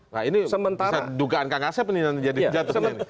nah ini dugaan kang asep ini nanti jadi